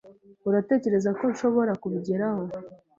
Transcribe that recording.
Uratekereza ko nshobora kubigeraho?